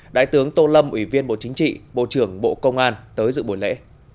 đại tướng tô lâm ủy viên bộ chính trị bộ trưởng bộ công an tới dự buổi lễ